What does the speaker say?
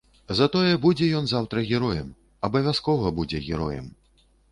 Затое будзе ён заўтра героем, абавязкова будзе героем.